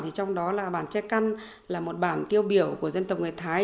thì trong đó là bản tre căn là một bản tiêu biểu của dân tộc người thái